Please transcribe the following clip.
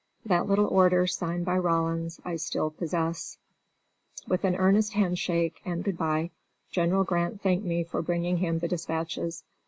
That little order, signed by Rawlins, I still possess. With an earnest handshake and good by General Grant thanked me for bringing him the dispatches.